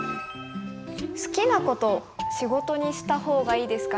好きなことを仕事にした方がいいですか？